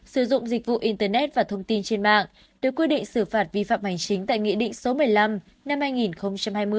sử dụng dịch vụ internet và thông tin trên mạng được quy định xử phạt vi phạm hành chính tại nghị định số một mươi năm năm hai nghìn hai mươi